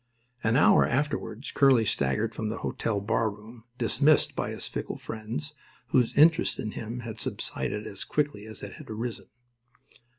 An hour afterward Curly staggered from the hotel barroom dismissed by his fickle friends, whose interest in him had subsided as quickly as it had risen.